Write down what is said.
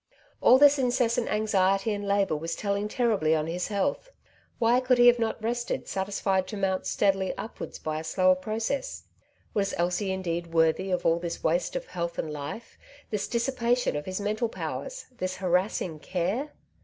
All this incessant anxiety and labour was telling terribly on his health. Why could he not have rested satisfied to mount steadily upwards by a slower process ? Was Elsie indeed worthy of all this waste of health and life, this dis sipation of his mental powers, this harassing care